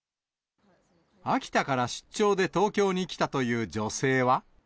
秋田から出張で東京に来たという女性は。